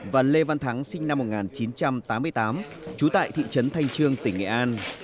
và lê văn thắng sinh năm một nghìn chín trăm tám mươi tám trú tại thị trấn thanh trương tỉnh nghệ an